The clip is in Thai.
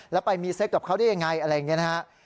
แล้วไปมีเซ็กกับเขาได้ยังไงอะไรอย่างนี้นะฮะ